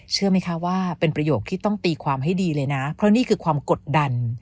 เชื่อไหมคะว่าเป็นประโยคที่ต้องตีความให้ดีเลยนะเพราะนี่คือความกดดัน